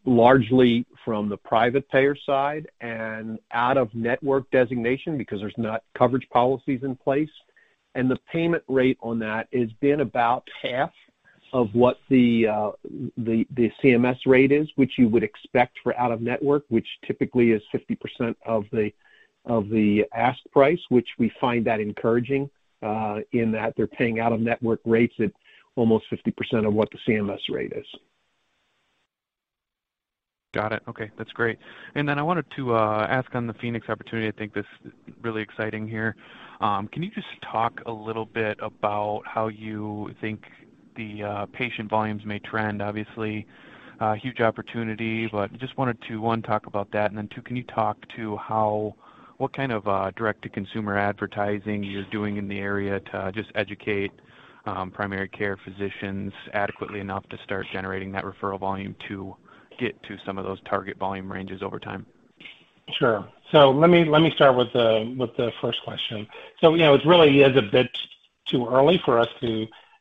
largely from the private payer side and out-of-network designation because there's not coverage policies in place. The payment rate on that has been about half of what the CMS rate is, which you would expect for out-of-network, which typically is 50% of the ask price, which we find that encouraging in that they're paying out-of-network rates at almost 50% of what the CMS rate is. Got it. Okay. That's great. I wanted to ask on the Phoenix opportunity, I think this is really exciting here. Can you just talk a little bit about how you think the patient volumes may trend? Obviously, a huge opportunity, just wanted to, one, talk about that, two, can you talk to what kind of direct-to-consumer advertising you're doing in the area to just educate primary care physicians adequately enough to start generating that referral volume to get to some of those target volume ranges over time? Sure. Let me start with the first question.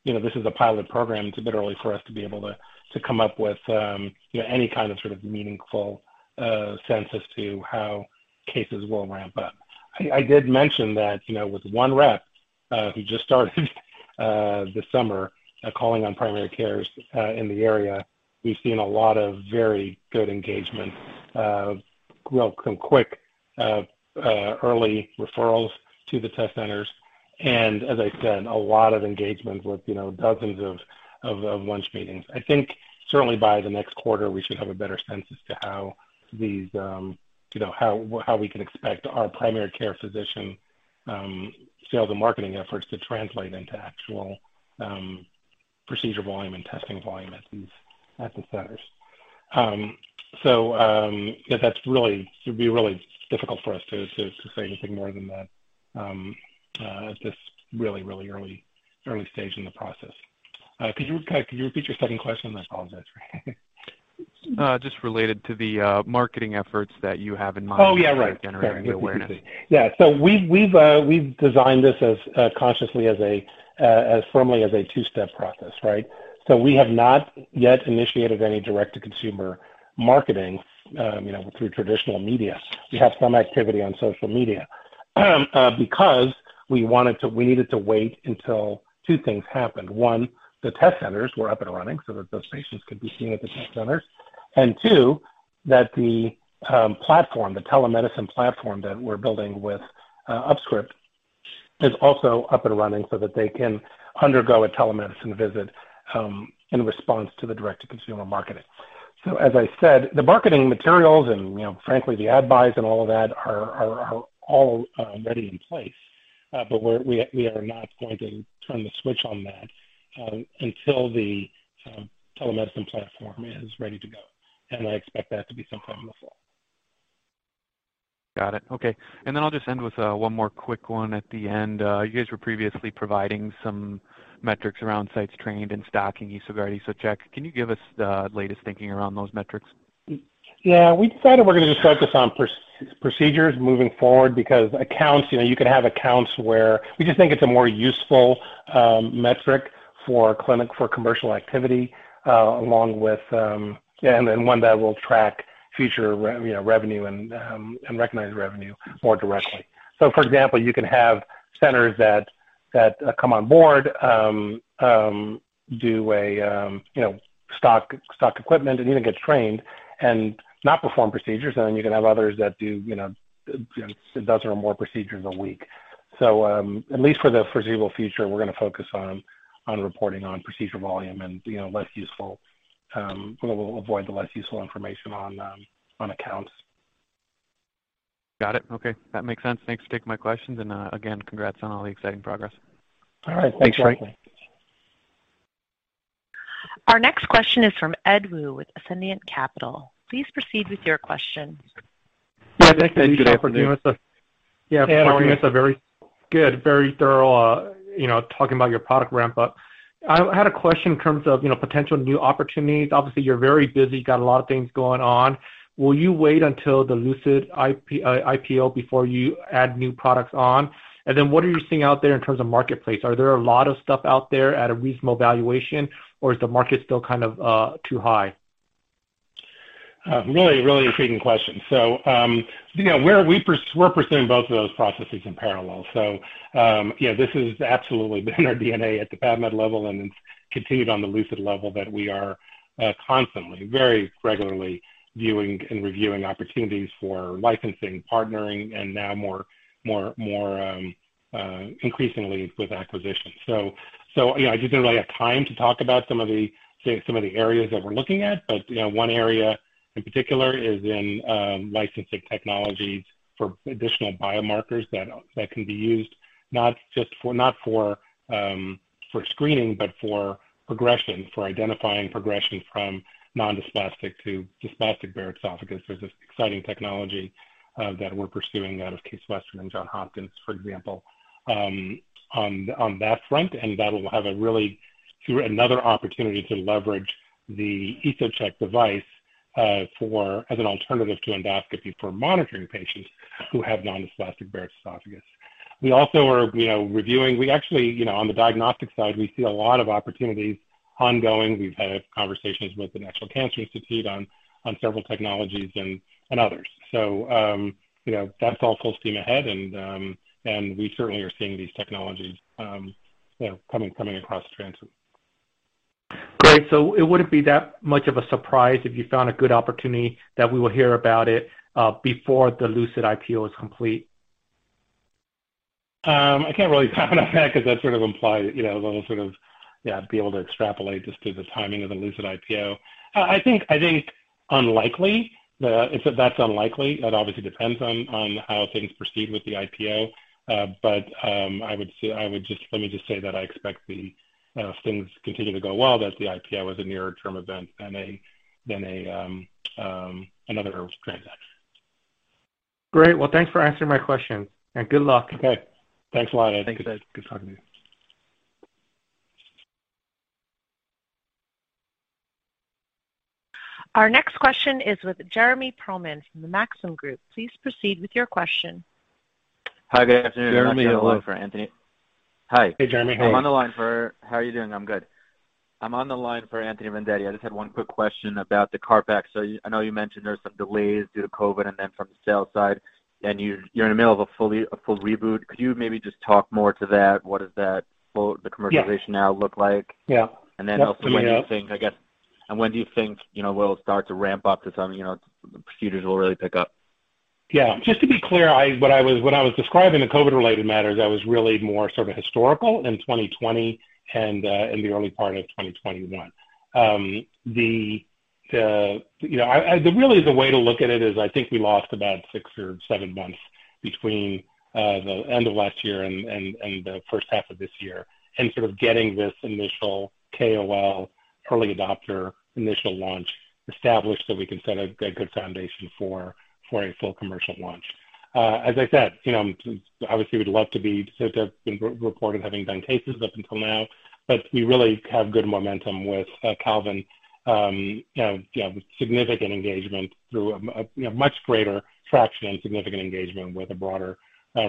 This is a pilot program. It's a bit too early for us to be able to come up with any kind of meaningful sense as to how cases will ramp up. I did mention that with one rep who just started this summer calling on primary cares in the area, we've seen a lot of very good engagement. Some quick early referrals to the test centers, and as I said, a lot of engagement with dozens of lunch meetings. I think certainly by the next quarter, we should have a better sense as to how we can expect our primary care physician sales and marketing efforts to translate into actual procedure volume and testing volume at the centers. That'd be really difficult for us to say anything more than that at this really early stage in the process. Could you repeat your second question? I apologize. Just related to the marketing efforts that you have in mind- Oh, yeah. Right. ...to generate the awareness. Yeah. We've designed this consciously as firmly as a two-step process. Right? We have not yet initiated any direct-to-consumer marketing through traditional media. We have some activity on social media. We needed to wait until two things happened. One, the test centers were up and running so that those patients could be seen at the test centers, and two, that the telemedicine platform that we're building with UpScript is also up and running so that they can undergo a telemedicine visit in response to the direct-to-consumer marketing. As I said, the marketing materials and frankly the ad buys and all of that are all ready in place. We are not going to turn the switch on that until the telemedicine platform is ready to go, and I expect that to be sometime in the fall. Got it. Okay. I'll just end with one more quick one at the end. You guys were previously providing some metrics around sites trained and stocking EsoCheck. Lishan, can you give us the latest thinking around those metrics? We decided we're going to just focus on procedures moving forward because we just think it's a more useful metric for commercial activity, one that will track future revenue, and recognize revenue more directly. For example, you can have centers that come on board, do a stock equipment and even get trained and not perform procedures. You can have others that do a dozen or more procedures a week. At least for the foreseeable future, we're going to focus on reporting on procedure volume, and we'll avoid the less useful information on accounts. Got it. Okay. That makes sense. Thanks for taking my questions, and, again, congrats on all the exciting progress. All right. Thanks, Frank. Our next question is from Ed Woo with Ascendiant Capital. Please proceed with your question. Good afternoon Ed. Yeah. Good afternoon. Thanks for giving us a very good, very thorough, talking about your product ramp-up. I had a question in terms of potential new opportunities. Obviously, you're very busy, got a lot of things going on. Will you wait until the Lucid IPO before you add new products on? What are you seeing out there in terms of marketplace? Are there a lot of stuff out there at a reasonable valuation, or is the market still too high? Really intriguing question. We're pursuing both of those processes in parallel. Yeah, this has absolutely been our DNA at the PAVmed level, and it's continued on the Lucid level that we are constantly, very regularly viewing and reviewing opportunities for licensing, partnering, and now more increasingly with acquisitions. I don't know if I have time to talk about some of the areas that we're looking at, but one area in particular is in licensing technologies for additional biomarkers that can be used not for screening, but for progression, for identifying progression from non-dysplastic to dysplastic Barrett's esophagus. There's this exciting technology that we're pursuing out of Case Western and Johns Hopkins, for example, on that front. That will have another opportunity to leverage the EsoCheck device as an alternative to endoscopy for monitoring patients who have non-dysplastic Barrett's esophagus. On the diagnostic side, we see a lot of opportunities ongoing. We've had conversations with the National Cancer Institute on several technologies and others. That's all full steam ahead, and we certainly are seeing these technologies coming across transit. Great. It wouldn't be that much of a surprise if you found a good opportunity that we will hear about it before the Lucid IPO is complete? I can't really comment on that because that sort of implies a little sort of be able to extrapolate just through the timing of the Lucid IPO. I think unlikely. That's unlikely. That obviously depends on how things proceed with the IPO. Let me just say that I expect if things continue to go well that the IPO is a nearer-term event than another transaction. Great. Well, thanks for answering my question, and good luck. Okay. Thanks a lot, Ed. Thanks, Ed. Good talking to you. Our next question is with Jeremy Pearlman from the Maxim Group. Please proceed with your question. Hi, good afternoon. Jeremy, hello. I'm on the line for Anthony. Hi. Hey, Jeremy. Hey. How are you doing? I'm good. I'm on the line for Anthony Vendetti. I just had one quick question about the CarpX. I know you mentioned there's some delays due to COVID and then from the sales side, and you're in the middle of a full reboot. Could you maybe just talk more to that? Yeah now look like? Yeah. Also when do you think it'll start to ramp up, the procedures will really pick up? Just to be clear, when I was describing the COVID-related matters, that was really more sort of historical in 2020 and in the early part of 2021. Really, the way to look at it is I think we lost about six or seven months between the end of last year and the first half of this year in sort of getting this initial KOL, early adopter, initial launch established so we can set a good foundation for a full commercial launch. As I said, obviously we'd love to be able to report of having done cases up until now, but we really have good momentum with Calvin, significant engagement through a much greater traction and significant engagement with a broader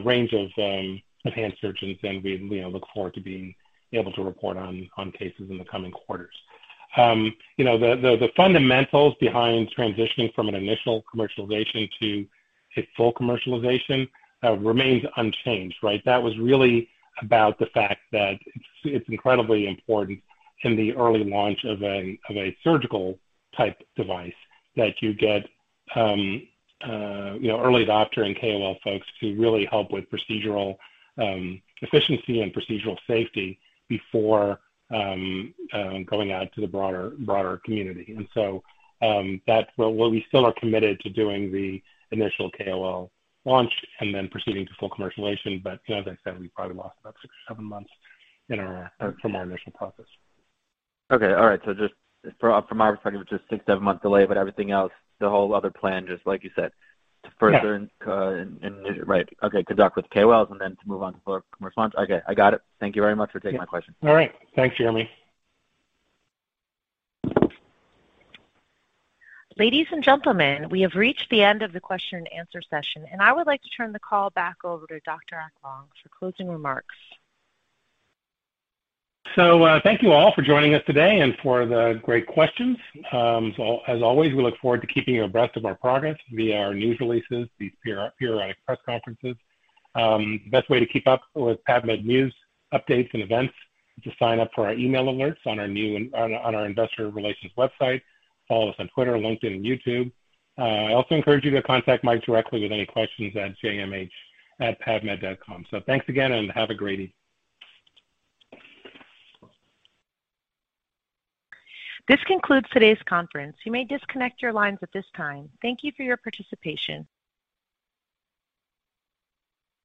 range of hand surgeons, and we look forward to being able to report on cases in the coming quarters. The fundamentals behind transitioning from an initial commercialization to a full commercialization remain unchanged, right? That was really about the fact that it's incredibly important in the early launch of a surgical type device that you get early adopter and KOL folks to really help with procedural efficiency and procedural safety before going out to the broader community. That's where we still are committed to doing the initial KOL launch and then proceeding to full commercialization. As I said, we probably lost about six or seven months from our initial process. Okay. All right. Just from our perspective, it's just six, seven-month delay, but everything else, the whole other plan, just like you said, to further- Yeah. ...right, okay. Conduct with KOLs and then to move on to full commercial launch. Okay, I got it. Thank you very much for taking my question. All right. Thanks, Jeremy. Ladies and gentlemen, we have reached the end of the question and answer session. I would like to turn the call back over to Dr. Aklog for closing remarks. Thank you all for joining us today and for the great questions. As always, we look forward to keeping you abreast of our progress via our news releases, these periodic press conferences. The best way to keep up with PAVmed news, updates, and events is to sign up for our email alerts on our investor relations website. Follow us on Twitter, LinkedIn, and YouTube. I also encourage you to contact Mike directly with any questions at jmh@pavmed.com. Thanks again, and have a great evening. This concludes today's conference. You may disconnect your lines at this time. Thank you for your participation.